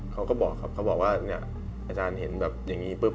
เขาก็บอกครับเขาบอกว่าเนี่ยอาจารย์เห็นแบบอย่างนี้ปุ๊บ